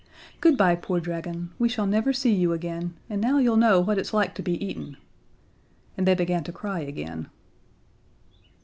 "Good bye, poor dragon, we shall never see you again, and now you'll know what it's like to be eaten." And they began to cry again.